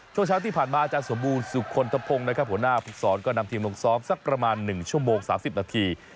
ช่วงเช้าที่ผ่านมาอาจารย์สมบูรณ์สุขลทพงศ์นะครับหัวหน้าภูกษรก็นำทีมลงซ้อมสักประมาณ๑ชั่วโมง๓๐นาที